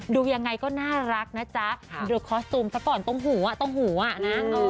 ดูยังไงก็น่ารักนะจ๊ะเดี๋ยวคอสตูมซะก่อนตรงหูอ่ะตรงหูอ่ะนะ